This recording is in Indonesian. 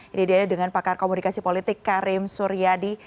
ini dia dengan pakar komunikasi politik karim suryadi